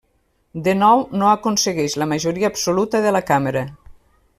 De nou no aconsegueix la majoria absoluta de la càmera.